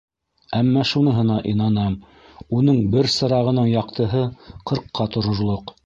Әммә шуныһына инанам: уның бер сырағының яҡтыһы ҡырҡҡа торорлоҡ.